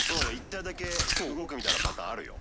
１体だけ動くみたいなパターンあるよ